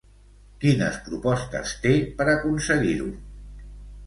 Quines propostes té per aconseguir-ho?